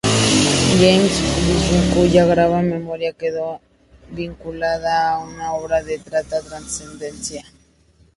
James F. Lindsay, cuya grata memoria quedó vinculada a una obra de tanta trascendencia.